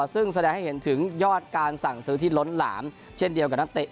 ซึ่งแสดงให้เห็นถึงยอดการสั่งซื้อที่ล้นหลามเช่นเดียวกับนักเตะ